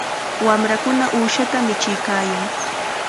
Wamrakuna uushata michiykaayan.